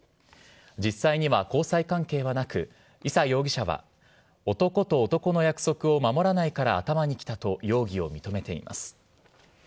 実際には交際関係はなく伊佐容疑者は男と男の約束を守らないから頭にきたと容疑を認めています。